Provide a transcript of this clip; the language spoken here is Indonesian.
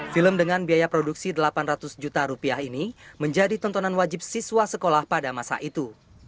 film dengan biaya produksi delapan ratus juta rupiah ini menjadi tontonan wajib siswa sekolah pada masa itu